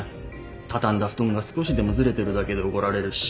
畳んだ布団が少しでもずれてるだけで怒られるし。